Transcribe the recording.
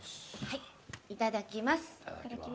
いただきます。